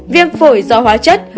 viêm phổi do hóa chất